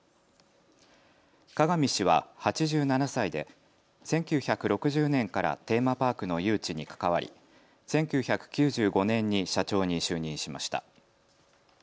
加賀見氏は８７歳で１９６０年からテーマパークの誘致に関わり１９９５年に社長に就任しました。